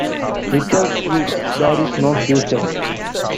Without you there is no future.